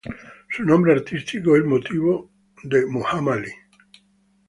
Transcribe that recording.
Su nombre artístico es motivo de Muhammad Ali.